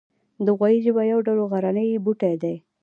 د غویي ژبه یو ډول غرنی بوټی دی